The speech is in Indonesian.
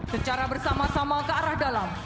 secara bersama sama ke arah dalam